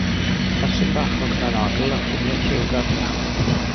Testun bachog mewn odl, a lluniau lliwgar iawn.